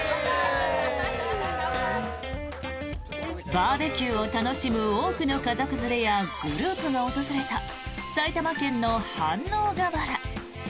バーベキューを楽しむ多くの家族連れやグループが訪れた埼玉県の飯能河原。